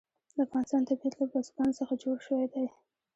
د افغانستان طبیعت له بزګان څخه جوړ شوی دی.